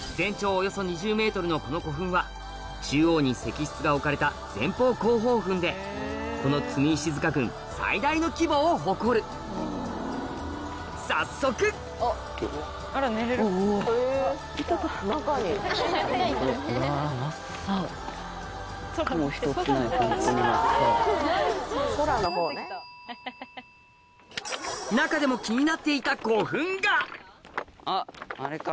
およそ２０ｍのこの古墳は中央に石室が置かれた前方後方墳でこの積石塚群最大の規模を誇る早速中でもあっあれか。